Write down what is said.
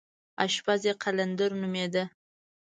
اشپز یې قلندر نومېده.